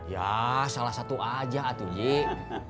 ya salah satu aja atuh jik